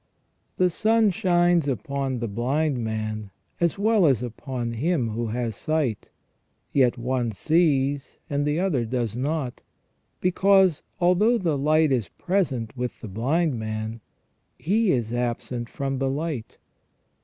f The sun shines upon the blind man as well as upon him who has sight, yet one sees and the other does not, because although the light is present with the blind man, he is absent from the light.